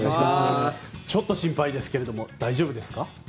ちょっと心配ですが大丈夫ですか？